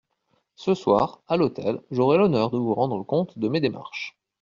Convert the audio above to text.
Ce soir, à l'hôtel, j'aurai l'honneur de vous rendre compte de mes démarches.